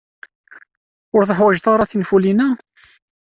Ur teḥwajed ara tinfulin-a?